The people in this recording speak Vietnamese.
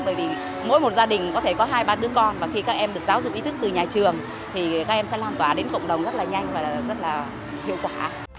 bởi vì mỗi một gia đình có thể có hai ba đứa con và khi các em được giáo dục ý thức từ nhà trường thì các em sẽ lan tỏa đến cộng đồng rất là nhanh và rất là hiệu quả